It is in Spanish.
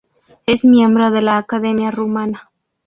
Es miembro de la Academia Rumana.